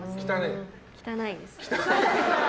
汚いです。